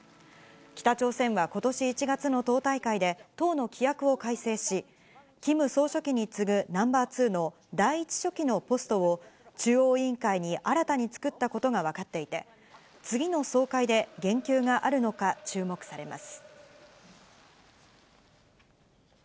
北朝鮮はことし１月の党大会で、党の規約を改正し、キム総書記に次ぐナンバー２の第１書記のポストを中央委員会に新たに作ったことが分かっていて、次の総会で言及があるのか、注目されます。